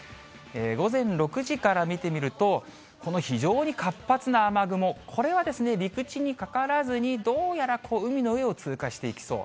午前６時から見てみると、この非常に活発な雨雲、これは陸地にかからずに、どうやら海の上を通過していきそう。